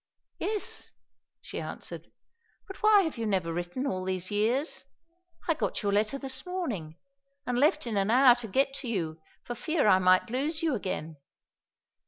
"Yes," she answered, "but why have you never written all these years? I got your letter this morning and left in an hour to get to you for fear I might lose you again.